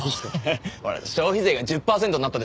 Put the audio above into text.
ほら消費税が１０パーセントになったでしょ？